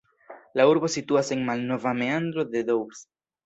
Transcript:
La urbo situas en malnova meandro de Doubs.